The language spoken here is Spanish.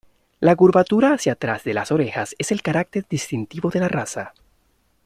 La curvatura hacia atrás de las orejas es el carácter distintivo de la raza.